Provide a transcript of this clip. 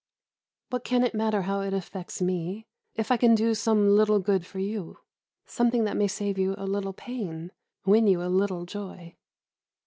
What can it matter how it affects me, if I can do some little good for you; something that may save you a little pain, win you a little joy?